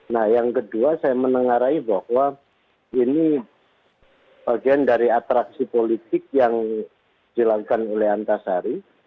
nah yang kedua saya menengarai bahwa ini bagian dari atraksi politik yang dilakukan oleh antasari